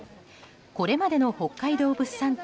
これまでの北海道物産展